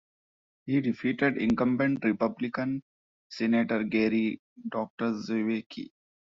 He defeated incumbent Republican Senator Gary Drzewiecki.